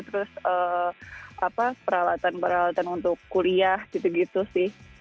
terus peralatan peralatan untuk kuliah gitu gitu sih